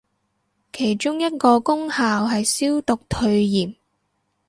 其中一個功效係消毒退炎